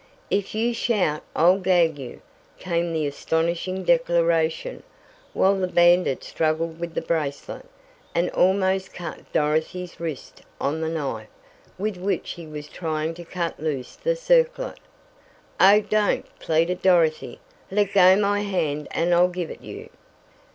"If you shout I'll gag you," came the astonishing declaration, while the bandit struggled with the bracelet, and almost cut Dorothy's wrist on the knife with which he was trying to cut loose the circlet. "Oh, don't," pleaded Dorothy. "Let go my hand and I'll give it you!"